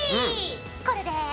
これで。